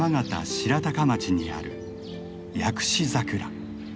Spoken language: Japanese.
白鷹町にある薬師桜。